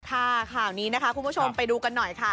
ข่าวนี้นะคะคุณผู้ชมไปดูกันหน่อยค่ะ